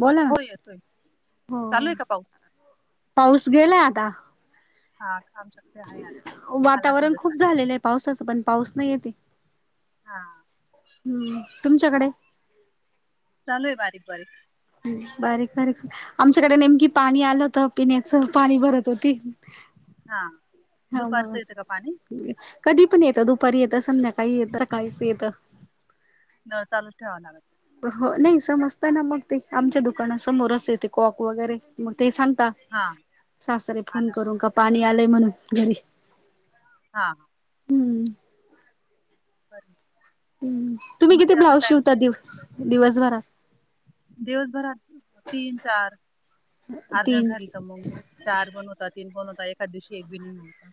बोला हो येतोय ना हो चालू आहे का पाऊस पाऊस गेलाय आता हा कामकत वातावरण खूप झालेलं आहे पावसाचं पण पाऊस नाही येते हा हम्म तुमच्याकडे चालोय बारीक बारी ह बारीक बारीक आमच्याकडे नेमकी पाणी आलं होत पिण्याचं पाणी भरत होती हा ह मग दुपारचं येतं का पाणी कधी पण येतं दुपारी येतं संमध्याकाळी येत काहीच येतं चालूच ठेवा ना हो नाही समजत ना मग ते आमच्या दुकाना हा समोरच येते कॉक वगैरे मग ते सांगता हा सासरे फोन आला करू वाटतं का पाणी आलंय म्हणून घरी? हां हां हम्म बरं हम्म पण तुम्ही मग किती ते असं ब्लाऊज टाइम शिवता तेच दिव नसतं दिवसभरात दिवसभरात तीन, चार अर्जंट तीन राहिल तर मग चार पण होता तीन पण होता एखाद दिवशी एक बी नाही होत.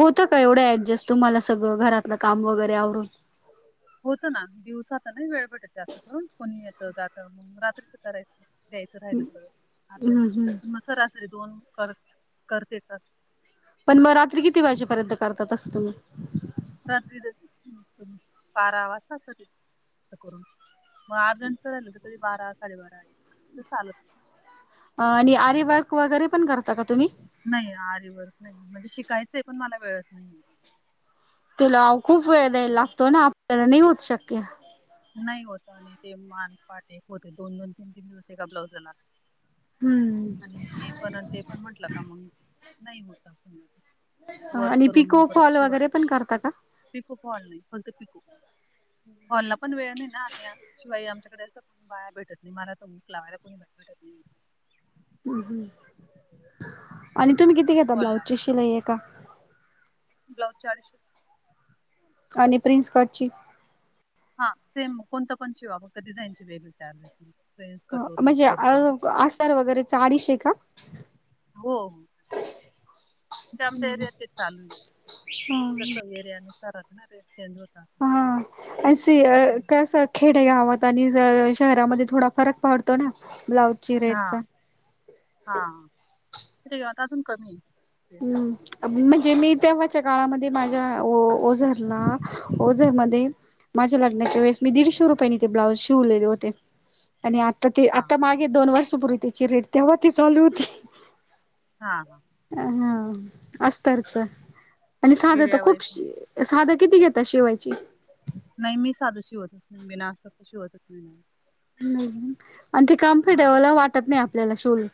होतं का एवढं ऍडजस्ट तुम्हाला सगळं घरातलं काम वगैरे आवरून होत ना दिवसात नाही वेळ भेटत जास्त करून कोणी येत जात रात्रीच करायचं द्यायचं राहिलं तर अर्जंट हम्म हम्म पण मग खर असं रे दोन कर करतेच अस पण मग रात्री किती वाजेपर्यंत करतात असं तुम्ही रात्री तरी बारा वाजता असत की करून मग अर्जंटच राहिल हो तर कधी बारा साडेबारा जसं आलं तसं आणि आरी वर्क वगैरे पण करता का तुम्ही? नाही आरी वर्क नाही म्हणजे शिकायचंय पण मला वेळच नाहीये. तिला खूप वेळ आरीवर्क द्यायला नाही लागतो ना आपल्याला नाही होऊत शक्य नाही होता आणि ते मान पाठ एक होते ृदोन दोन तीन तीन दिवस एका ब्लाऊज देणार हम्म आणि हे पण ते पण म्हंटलं का मग नाही होत अस? [unintelligible] आणि पिको फॉल वगैरे पण करता का पिको फॉल नाही फक्त पिको फॉलला पण वेळ नाही शिवाय आमच्याकडे असं बाया भेटत नाही मला तर हूक लावायला कोणी भेटूत शकली नाही. हम्म आणि तुम्ही किती घेता हॉलला ब्लाउजची शिलाई आहे एका? ब्लाउज चारशे आणि प्रिन्सकटची हा सेम कोणतं पण शिवा फक्त डिझाईनची वेगळे चार्जेस फ्रेंच हो कटोरी म्हणजे कोर्ट हो अस्तर वगैरे चा अडीशे का? हो हो म्हणजे आमच्या एरिया तेच चालू आहे तसं एरिया नुसारच ना रे चेंज होता हा अ कस? खेडेगावात आणि ज शहरामध्ये थोडा फरक पडतो ना ब्लाऊ हां हां कीती घेत अजून कमी आहे हम्म म्हणजे मी तेव्हाच्या काळामध्ये माझ्या ओझरला ओझरमध्ये माझ्या लग्नाच्या वेळेस मी दीडशे रुपयांनी ते ब्लाउज शिवलेले होते आणि आता ते हा आता मागे दोन वर्षपूर्वी त्याची रेट तेव्हा ती चालू होती हां हां हा अस्तरच आणि साध तर एरिया वाईज खूपशी साधं किती घेतात शिवायचे? नाही मी साधं शिवतच नाही बीना अस्तरच शिवतच नाही मी नाही आणि ते काम हा फीट्यावाला वाटत नाही आपल्याला शिवल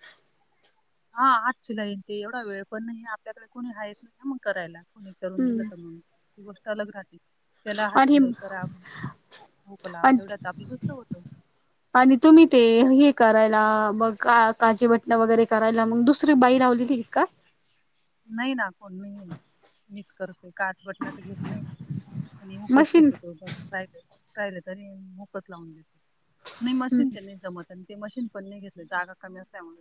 हा हात शिलाई ते एवढा वेळ पण नाही आपल्याकडे कोणी हायच नाही मग करायला. कोणी करून दिलं हम्म तर मग ही गोष्ट अलग राहते. त्याला हात आणि शिलाई करा हुक लावा तेवढ्यात आपलं दुसरं होतं. आणि तुम्ही ते हे करायला मग का काजी बटणा वगैरे करायला मग दुस दुसरी बाई लावलेली का? नाही ना कोण नाही मी मीच करत ते काच बटणाच घेत नाही आणि हुकच मशीन शक्यत़ो [unintelligible] राहील राहिले तरी हुकच लावून देत़ो हम्म मशीनच्या नाही जमत ते मशीन पण नाही घेतलं जागा कमी असल्या म्हण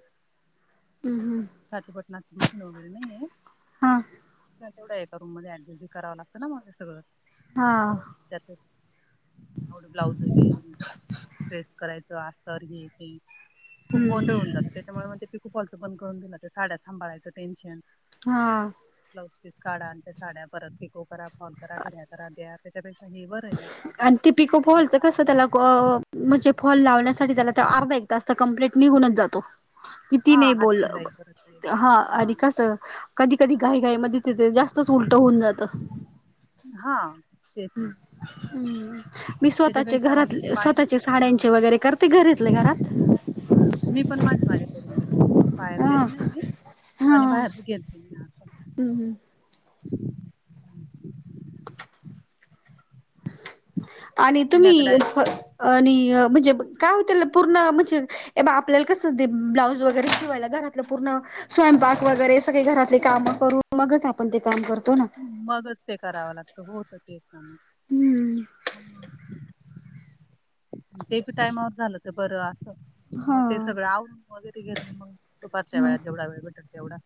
हम्म हम्म काच्या पटणाच मशीन वगैरे नाही आहे हम तेवढ्या एका रूम मध्ये अडजस्ट बी कव लागत ना मग सगळं हा त्यात एवढं ब्लाउज बी ट्रेस करायचं अस [unintelligible] खूप गोंध हम्म होन जात त्याच्यामुळे मग ते पिको फॉल च बंद करून दिलं ते साड्यात सांभाळायचं टेन्शन हा ब्लाउज पीस काढा आणि त्या साड्या परत पिको करा फॉल करा घड्या करा द्या त्याच्यापेक्षा हे बर आणि ते पिकोच कस त्याला म्हणजे फॉल लावण्यासाठी झाला तर अर्धा एक तास तर कमप्लीट निघूनच जातो किती हा नाही बोल हातशिलाई परत वेगळं हा अर कास कधीकधी घाईघाई मध्ये त ते जास्तच उलट होऊन जातं हा तेच न हम् मी स्वतःचे मग घरात स्वतःच्या बायांचे पण हा साड्यांचे वगैरे करते घरीतले घरात मी पण माझी माले करून घेते बाहेर देत नाही ह मी हा आणि बाहेरच गेलते मी आर सम हम्म आणि आता तुम्ही डायरेक्ट मग आणि म्हणजे काय हो त्याला पूर्ण म्हणजे ब आपल्याला कसं ब्लाऊज वगैरे शिवायला घरातलं पूर्ण स्वयंपाक वगैरे सगळे घरातले कामं करून मगच आपण ते काम करतो ना मगच ते करावं लागत होत तेच ना हम्म मग ते पी टायमावर झालं ते बर असं हा मग ते सगळं आवरून वगैरे मग दुपारच्या वेळात जेवढा वेळ बेटर तेवढा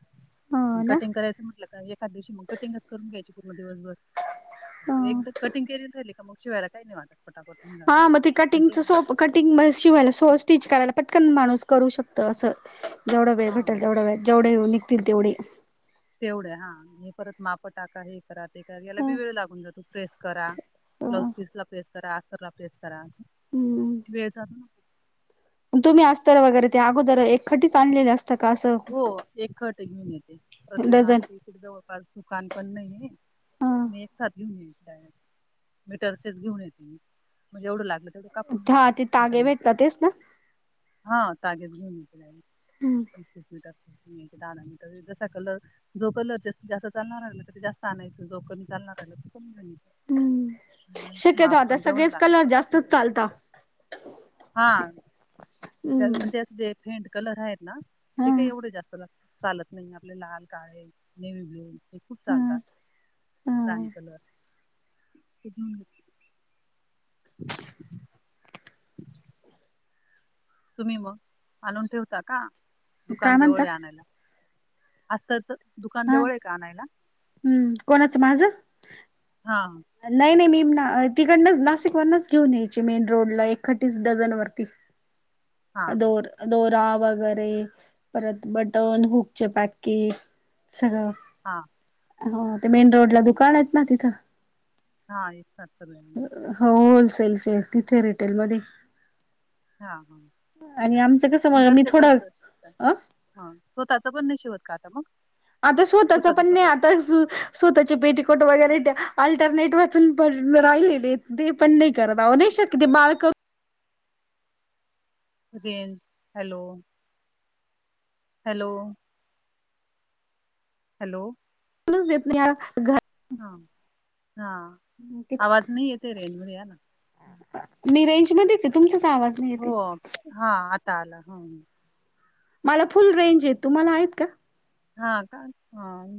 हा ना. कटिंग करायचं म्हटलं का दिवशी मग कटिंगच करून घ्यायची पूर्ण दिवसभर ह एकदा कटिंग के राहिले मग शिवायला काहीनाही वाटत पटापट होऊन हा जातं. म पण कटिंग ते च सोप कटिंग म शिवायला सो स्टिच करायला पटकन माणूस करू शकत असं जेवढ वेळ हा भटल जवढं व जेवढे निघतील तेवढे तेवढ्या हा हे परत माप टाका हे करा ते करा याला बी ह वेळ लागून जातो प्रेस करा ब्लाउज पीस ला प्रेस करा आतरला प्रेस करा हम्म. वेळ जातो ना तुम्ही असतर वगैरे ते अगोदर एकखटी आणलेले अस तकास हो एक खट मीन येते प्रत्येक डझन? गमची त जवळपास दुकान पण नाहीे मी एक साथ घेऊन यायच्याडार मी टर्चेस घेऊन येती म्हणजेवढं लागलं तेवढ हा ते तागे भेटतातच ना हा तगेच घेऊन येते हम् बीसस मीटर दाना मीटर जसा कलर जो कलर जास्तीत जास्त चालणार आहे ना तर ते जास्त आणायचं जो कमी चालणार आहे ना तो हम्म कमीयच म शक्यतो आता आपण जेवण सगळेच कलर लागतो का जास्तच आपण चालता हा ह पण त्या अस जे फेंट कलर आहेत ना हा ते काही एवढे जास्त लागत चालत नाही आपले लाल काळे नेवी ब्लू हे खूप हा चालतात हा राणी कलर त अ् तुम्ही मग आणून ठेवता का काय दुकान म्हणता जवळ आणायला असजतच दुकान जवळ आहे का आणयला हम् कोणाचं माझं हा नाही नाही मी ना तिकडनंच नाशिक वरनच घेऊन यायची मेन रोडला एकीस डझन वरती हा हा दोर दोरा वगैरे परत हा बटन हुकचे पॅक की सगळ हां हो ते मेन रोड ला दुकान आहेत ना तिथं हा एकल हो होलसेलचे आहे तिथे रिटेलमध्येध्ये हा हा आणि आमचं कस मग म मी घरच्या घरच थोडं शिवता अ हा स्वतःच पण नाही शिवत का आता मग आता स्वतःचा स्वतःच पण नाही स्वतःच आता स्वतःचे पेटीकोट वगैरे अल्टरनेट वून पण राहिलेले ते पण नाही करत आह नाही शकत ते बालक रेंज हॅलो हॅलो हॅलो करूनच देत नाही घर हा हा आवाज नाही आहे ते रेंजमध्ये या ना मी रेंज मध्येच आहे तुमचाच आवाज नाही येते हो हा आता आला हम्म मला फुल रेंज य तुम्हाला आहेत का हा का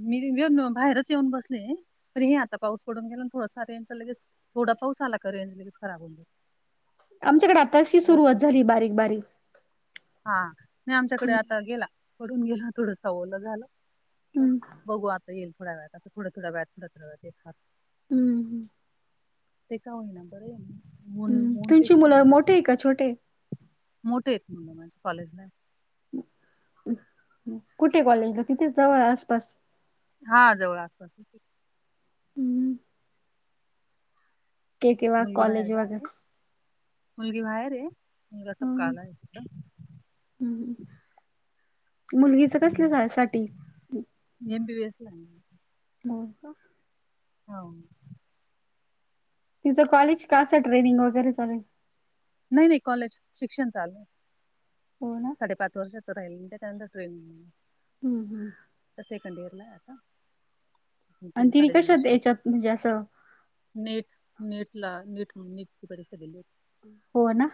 मी येऊन बाहेरच येऊन बसले तर हे आता पाऊस पडून घेऊन थोडासा रंज ला लगेच थोड पाऊ आला का रंज लगेच खराब हो आमच्याकडे आताशी सुरुवात सोडतो झाली बारीक बारीक हा नाही आमच्याकडे आता गेला करून गेला थोड सवलं झालं हम्म बघू आता येईल थोड्या वेळात अस थोड थडा व्या थो ोड्या हम्म ह ते का होईना बरं आहेन मनपेक्षा म ठी का छोटे मोठे येत मुलं माझ्या कॉलेजला कुठे कॉलेजला तिथेच जाव आसपास हा जवळ आसपास के के वा मुलगी बाहेर कॉलेज का वगैरे आहे मुलगी बाहेर आहे मुलगा सब हम्म काला आहे हम्म मुलगीच कसल्या साठी नेम पी वसला ब का हो तिचं कॉलेज कं ट्रेनिंग वगैरे चाल नाही नाही कॉलेज शिक्षण चालू आहे हो ना साडेपाच वर्षात तर राहिल त्याच्यानंतर ट्रेन हम्म हम् सेकंड इयरला आता आणि तीन तिने साडेतीन कशात वर्ष बाकी याच्यात म्हणजे असं नेट नेट ला नीट म्हणून नीट तकडे गली हो ना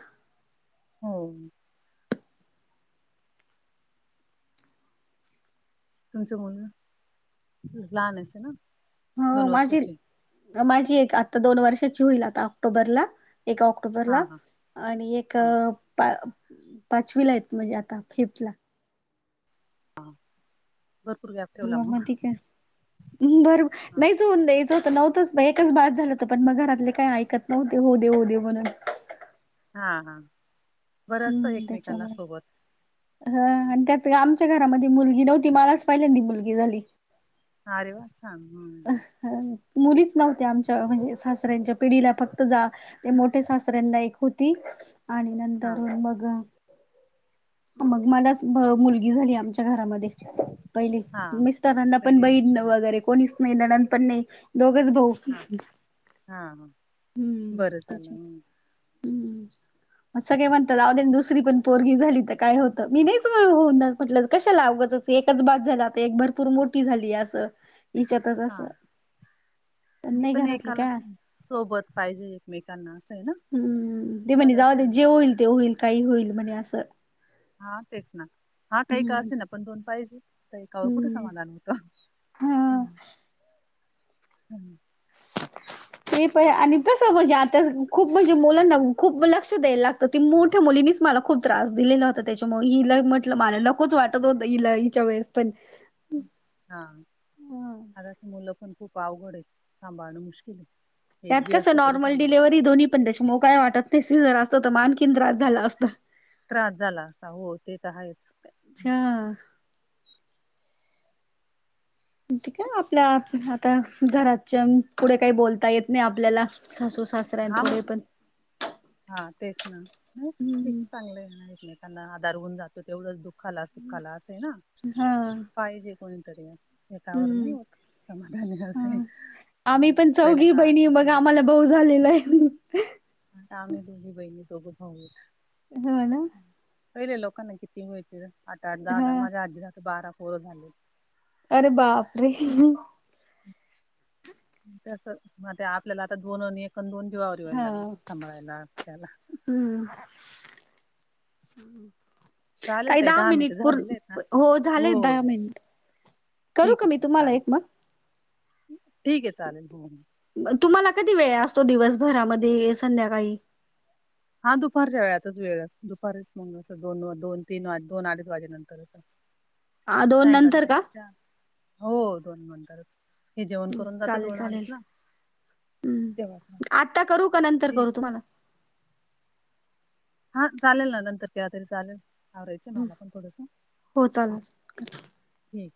हो तुमचं मुलं, लहान आसेल ना हो दोन माझी वर्षाचे माझी एक आता दोन वर्षाची होईल आता ऑक्टोबरला एक ऑक् क्टोबरला हा हा आणि एक हा पाचवी ला य म्हणजे आता फिफ्थ ला हां ग म का बर हा नाहीच होऊन द्यायचं होतं नव्हतच एकच बाद झालं होत पण मग घरातले काही ऐकत नव्हते हो दे हो दे म्हणून हा हा बरं असत हम्म एकमेकांना त्याच्यामुळे सोबत. ह आणि त्यात आमच्या घरामध्ये मुलगी नव्हती मलाच पहिलेंदी मुलगी झाली. ह रे वा छान हम्मम्म मुलीच नव्हत्या आमच्या म्हणजे सासऱ्यांच्या पिढीला फक्त जा ते मोठ्या सासऱ्यांना एक होती आणि हा नंतर मग मग मला मुलगी झाली आमची घरामध्ये पहि हा मिस्टरांना पण पहिली बहिण लक्ष्मी आहे. वगैरे कोणीच नाही नणंद पण नाही दोघच भाऊ हां हां हम्म बरं झालं त्याच्या हम्म मग सगळे म्हणतात अव दुसरी पण पोरी झाली तर काय होतं मी नाहीच होऊन म्हटलं कशाला उगाचच एकच बास झाला आता एक भरपूर मोठी झाली असं ईच्यातच अस हा पण नाही घरातले काय सोबत पाहिजे एकमेकांना असं आहे ना? हम्म ते म्हणणे जे बरं जाऊदे असतं जे होईल ते होईल काही होईल म्हणे असं हा तेच ना हा काही का हम्म असे ना पण दोन पाहिजे का एकावर कुठे हम्म समाधान होतं. हा हम्म हम्म ते पण आणि कस म्हणजे आता खूप म्हणजे मुलांना खूप लक्ष द्यायला लागत. ते मोठ्या मुलीनीच मला खूप त्रास दिलेला. तर त्यांच्यामुळे हिल म्हटलं मला नकोच वाटत होतं हि ल हच्या वेळेस पण हा आता मुलं पण खूप अवघड आहे, सांभाळणं मुश्किल आहे. एक त्यात बी कसं असलं तरी नॉर्मल सांभाळ डिलेव्हरी दोन्ही पण त्याच्या मुळ काय वाटत शिजर असतं तर आणखीन त्रास झालं असतं. त्रास झाला असता हो ते तर आहेच. अच्छा ठीक आहे आपल्या आता घराच्या पुढे काही बोलता येत नाही आपल्याला सासू सासऱ्यां हा मग पुढे पण हा तेच ना नाहीच हम्म चांगलं आहे एकमेकांना आधार होऊन जातो तेवढंच दुख खाला - सुखा ला असे ना हा पायजे कोणी तरी एकावर नाही हम्म होत समाधान असे हा आम्ही पण पहिल्या चौघी काळात बहिणी मग किती आम्हाला राहायचे. भाऊ झालेला आहे. आता आम्ही दोघी बहिणी दोघं भाऊ आहे. ह ना पहिले लोकांना किती होईच अठ आठ दहा द हा माझ्या आजीला बारा पोर झाले अरे बापरे ह त्यास मग ते आपल्याला आता दोन एकण दोन जीवावर यायला लागली सांभाळायला त्याला. हम् चालेल ताई दहा मिनिट मिनिटं पूर, झालेले आहेत ना हो झाले हो दहा मिनिट. करू ठीक का आहे मी ठीक तुम्हाला चालेल एक मग? ठीक आहे चालेल, हो. तुम्हाला कधी वेळ असतो? दिवसभरामध्ये, संध्याकाळी हा दुपारच्या वेळातच वेळ दुपारीच मग अस दोन दोन तीन वाज दोन अडीच वाजेनंतर अ दोन नंतर का? हो दोन नंतरच. हे जेवण करून जात चालेल दोन अडीच चालेल ना हम्म तेव्हा आता करू का नंतर ठी करू तुम्हाला हा चालेल ना नंतर प तरी चालेल. आवराायचं आहे मला पण थोडंस हो चालेल ठीक